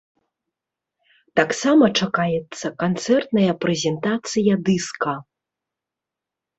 Таксама чакаецца канцэртная прэзентацыя дыска.